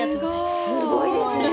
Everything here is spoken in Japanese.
すごいですね。